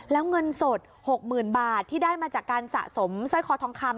แล้วเงินสด๖๐๐๐บาทที่ได้มาจากการสะสมสร้อยคอทองคำ